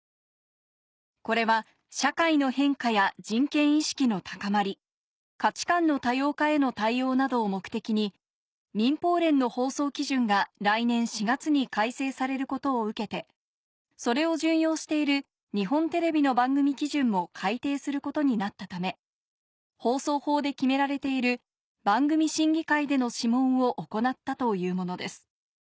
これは社会の変化や人権意識の高まり価値観の多様化への対応などを目的に「民放連の放送基準」が来年４月に改正されることを受けてそれを準用している日本テレビの番組基準も改訂することになったため放送法で決められている「番組審議会での諮問」を行ったというものです